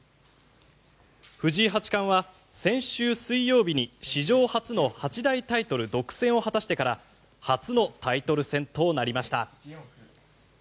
藤井八冠は先週水曜日に史上初の八大タイトル独占を果たしてから初のタイトル戦となりました。